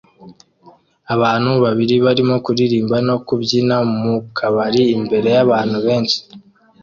Abantu babiri barimo kuririmba no kubyina mu kabari imbere yabantu benshi